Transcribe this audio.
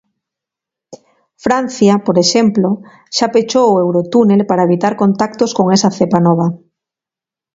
Francia, por exemplo, xa pechou o eurotunel para evitar contactos con esa cepa nova.